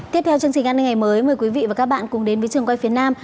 tiếp theo chương trình an ninh ngày mới mời quý vị và các bạn cùng đến với trường quay phía nam